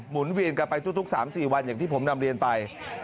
นเวียนกันไปทุก๓๔วันอย่างที่ผมนำเรียนไป